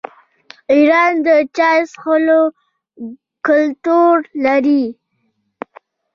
ایران د چای څښلو کلتور لري.